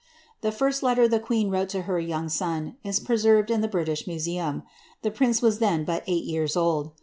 rhe first letter the qneen wrote to her young son, is presenred in the tHh Museum ; the pince was then but eight years old.